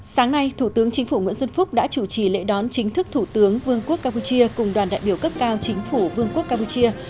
sáng nay thủ tướng chính phủ nguyễn xuân phúc đã chủ trì lễ đón chính thức thủ tướng vương quốc campuchia cùng đoàn đại biểu cấp cao chính phủ vương quốc campuchia